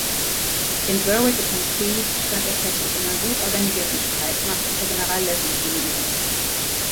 In Berwick-upon-Tweed stand er plötzlich einer gut organisierten Streitmacht unter General Leslie gegenüber.